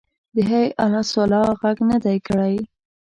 د حی علی الصلواه غږ نه دی کړی.